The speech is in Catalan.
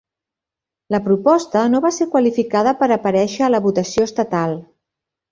La proposta no va ser qualificada per aparèixer a la votació estatal.